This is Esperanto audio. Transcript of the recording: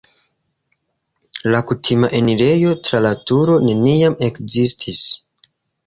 La kutima enirejo tra la turo neniam ekzistis.